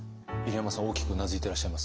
入山さん大きくうなずいてらっしゃいますが。